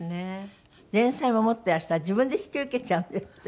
連載も持ってらした自分で引き受けちゃうんですって？